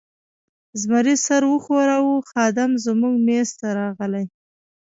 زمري سر و ښوراوه، خادم زموږ مېز ته راغلی.